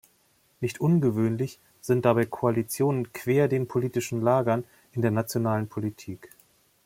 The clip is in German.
Nicht ungewöhnlich sind dabei Koalitionen quer zu den politischen Lagern in der nationalen Politik.